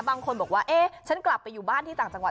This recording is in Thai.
บางคนบอกว่าเอ๊ะฉันกลับไปอยู่บ้านที่ต่างจังหวัด